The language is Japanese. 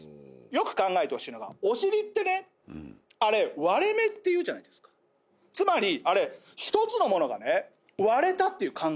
よく考えてほしいのがお尻ってねあれ割れ目っていうじゃないですかつまりあれ１つのものがね割れたっていう考え方なんですよ